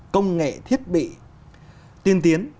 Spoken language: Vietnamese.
công nghệ thiết bị tiên tiến